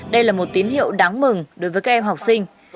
đây là một tín hiệu đáng mừng đối với các em học sinh